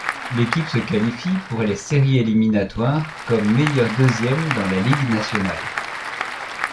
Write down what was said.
L'équipe se qualifie pour les séries éliminatoires comme meilleur deuxième dans la Ligue nationale.